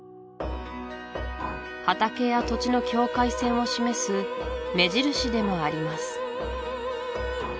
畑や土地の境界線を示す目印でもあります